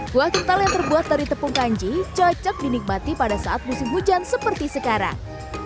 kuah kental yang terbuat dari tepung kanji cocok dinikmati pada saat musim hujan seperti sekarang